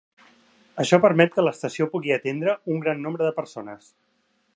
Això permet que l'estació pugui atendre un gran nombre de persones.